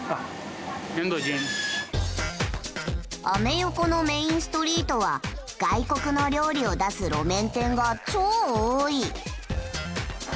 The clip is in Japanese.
アメ横のメインストリートは外国の料理を出す路面店が超多い。